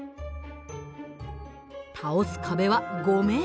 倒す壁は５ｍ。